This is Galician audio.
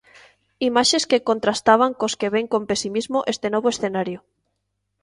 Imaxes que contrastaban cos que ven con pesimismo este novo escenario.